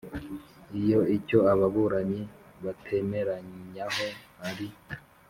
Iyo icyo ababuranyi batemeranyaho ari